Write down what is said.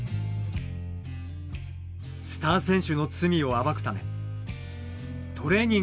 スター選手の罪を暴くためトレーニングを始めた主人公。